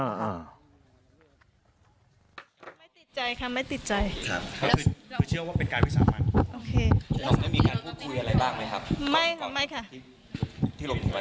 ไม่ติดใจคะไม่ติดใจครับเชื่อว่าเป็นใครวิทยามาร